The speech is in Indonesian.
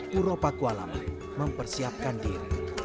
puro pakualaman mempersiapkan diri